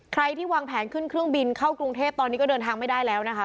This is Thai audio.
ใครที่วางแผนขึ้นเครื่องบินเข้ากรุงเทพตอนนี้ก็เดินทางไม่ได้แล้วนะคะ